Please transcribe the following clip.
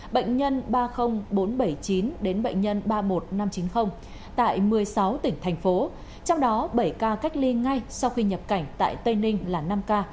bệnh nhân ba mươi nghìn bốn trăm bảy mươi chín đến bệnh nhân ba mươi một nghìn năm trăm chín mươi tại một mươi sáu tỉnh thành phố trong đó bảy ca cách ly ngay sau khi nhập cảnh tại tây ninh là năm ca